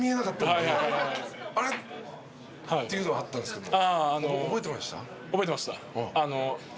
っていうのはあったんですけど。